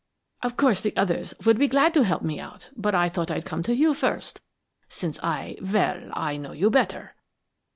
Of course the others would be glad to help me out, but I thought I'd come to you first, since I well, I know you better.'